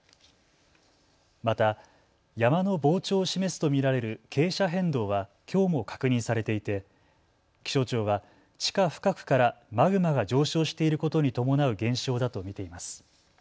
また山の膨張を示すと見られる傾斜変動はきょうも確認されていて気象庁は地下深くからマグマが上昇していることに伴う現象だと見ています。